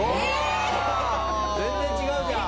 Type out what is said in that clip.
全然違うじゃん！